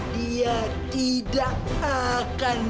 dia tidak akan